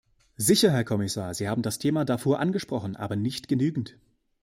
Sicher, Herr Kommissar, Sie haben das Thema Darfur angesprochen, aber nicht genügend.